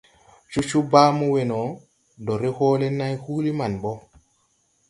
Cocoo baa mo we no, ndo re hoole nãy huulí maŋ ɓo.